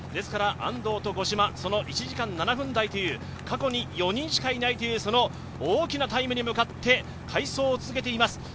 安藤と五島、１時間７分台という過去に４人しかいないという大きなタイムに向かって快走を続けていきます。